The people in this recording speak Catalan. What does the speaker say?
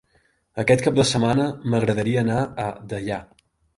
Aquest cap de setmana m'agradaria anar a Deià.